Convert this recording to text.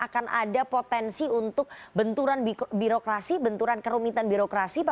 akan ada potensi untuk benturan birokrasi benturan kerumitan birokrasi